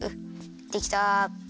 できた。